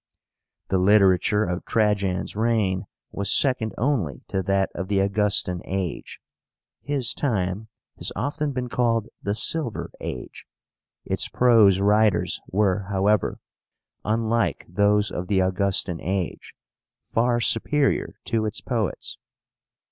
The literature of Trajan's reign was second only to that of the Augustan age. His time has often been called the SILVER AGE. Its prose writers were, however, unlike those of the Augustan age, far superior to its poets.